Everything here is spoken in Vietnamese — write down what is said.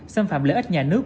xâm phạm lợi ích nhà nước